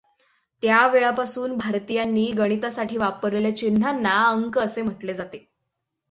त्यावेळापासून भारतीयांनी गणितासाठी वापरलेल्या चिन्हांना अंक असे म्हटले जाते.